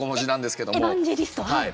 はい。